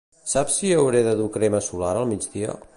Saps si hauré de dur crema solar al migdia?